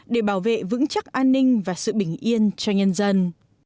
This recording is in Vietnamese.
để bảo vệ vững chắc an ninh và sự bình yên cho nhân dân